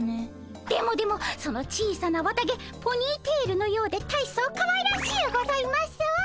でもでもその小さな綿毛ポニーテールのようで大層かわいらしゅうございます。